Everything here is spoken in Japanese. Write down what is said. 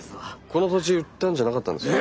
この土地売ったんじゃなかったんですか？